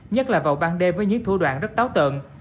nhất là vào ban đêm với những thủ đoạn rất táo tợn